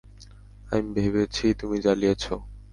আমি ভেবেছি তুমি জ্বালিয়েছ।